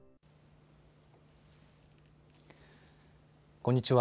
こんにちは。